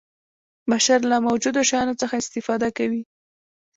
بشر له موجودو شیانو څخه استفاده کوي.